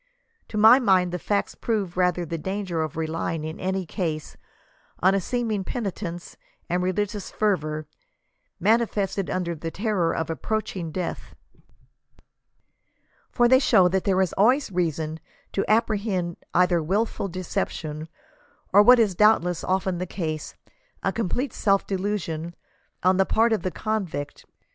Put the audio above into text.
To my mind the facts prove rather the danger of relying in any case on a seeming penitence and religious fervor, manifested under the terror of approaching death, for they show that there is always reason to apprehend either wilful decep tion, or what is doubtless often the case, a complete self delu sion on the part of the convict.